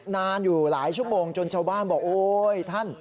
นานอยู่หลายชั่วโมงจนชาวบ้านบอกโอ๊ยท่าน